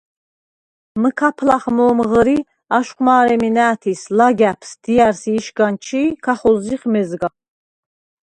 მჷქაფ ლახ მო̄მ ღჷრი, აშხვ მა̄რე̄მი ნა̄̈თის – ლაგა̈ფს, დია̈რს ი იშგან ჩი̄ ქახოზზიხ მეზგა.